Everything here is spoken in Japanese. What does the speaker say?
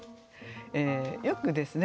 よくですね